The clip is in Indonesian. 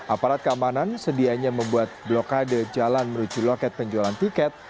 aparat keamanan sedianya membuat blokade jalan menuju loket penjualan tiket